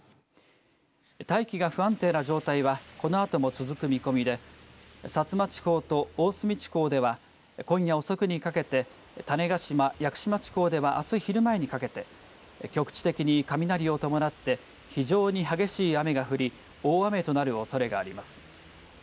大気が不安定な状態はこのあとも続く見込みで薩摩地方と大隅地方では今夜遅くにかけて種子島・屋久島地方ではあす昼前にかけて局地的に雷を伴って非常に激しい雨が降り大雨となるおそれがあります。